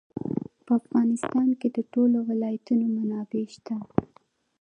په افغانستان کې د ټولو ولایتونو منابع شته.